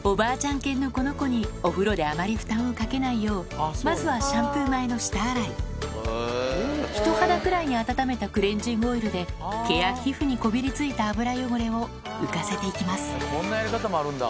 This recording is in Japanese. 犬のこの子にお風呂であまり負担をかけないようまずはシャンプー前の下洗い人肌くらいに温めたクレンジングオイルで毛や皮膚にこびりついた油汚れを浮かせて行きます